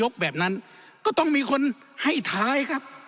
ก็ต้องมีคนให้ท้าย